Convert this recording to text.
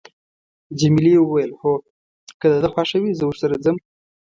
جميلې وويل: هو، که د ده خوښه وي، زه ورسره ځم.